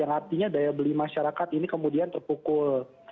yang artinya daya beli masyarakat ini kemudian terpukul